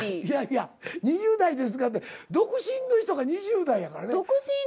いやいや２０代ですからって独身の人が２０代やからね。